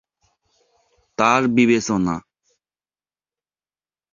তার বিবেচনা।